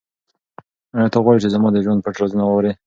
آیا ته غواړې چې زما د ژوند پټ رازونه واورې؟